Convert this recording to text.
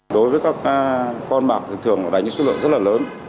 đối với các con bạc thường đánh số lượng rất là lớn